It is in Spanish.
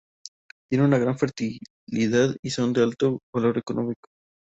Tienen una gran fertilidad y son de alto valor económico.